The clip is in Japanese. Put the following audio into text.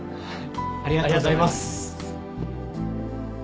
ありがとうございます。